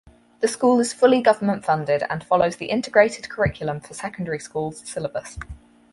The school is fully government-funded and follows the Integrated Curriculum for Secondary Schools syllabus.